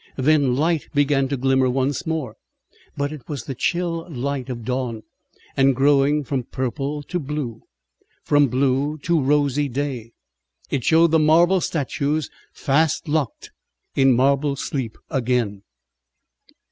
Then light began to glimmer once more, but it was the chill light of dawn, and growing from purple to blue, from blue to rosy day, it showed the marble statues fast locked in marble sleep again.